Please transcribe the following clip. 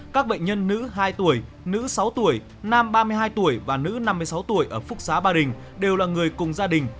các bệnh nhân nữ hai tuổi nữ sáu tuổi nam ba mươi hai tuổi và nữ năm mươi sáu tuổi ở phúc xá ba đình đều là người cùng gia đình